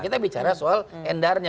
kita bicara soal endarnya